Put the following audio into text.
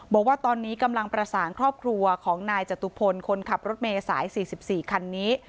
บอกว่าตอนนี้กำลังประสานครอบครัวของนายจตุพลคนขับรถเมย์สาย๔๔คันนี้